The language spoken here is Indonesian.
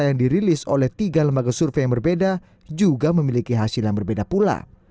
yang dirilis oleh tiga lembaga survei yang berbeda juga memiliki hasil yang berbeda pula